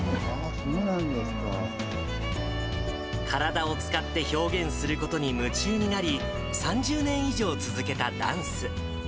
体を使って表現することに夢中になり、３０年以上続けたダンス。